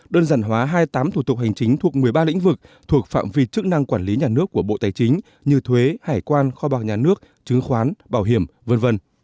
đơn giản hóa hai mươi tám thủ tục hành chính thuộc một mươi ba lĩnh vực thuộc phạm vi chức năng quản lý nhà nước của bộ tài chính như thuế hải quan kho bạc nhà nước chứng khoán bảo hiểm v v